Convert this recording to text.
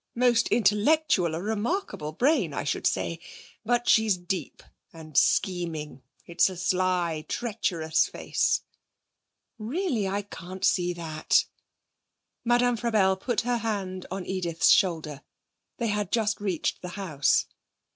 Most intellectual. A remarkable brain, I should say. But she's deep and scheming; it's a sly, treacherous face.' 'Really, I can't see that.' Madame Frabelle put her hand on Edith's shoulder. They had just reached the house.